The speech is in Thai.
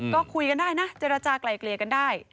ก็คุยกันได้นะเจรจากลายเกลี่ยกันได้